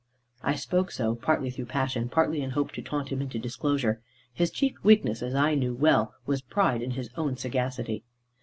I spoke so, partly through passion, partly in hope to taunt him into disclosure. His chief weakness, as I knew well, was pride in his own sagacity.